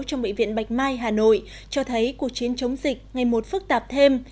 trong bệnh viện bạch mai hà nội cho thấy cuộc chiến chống dịch ngày một phức tạp thêm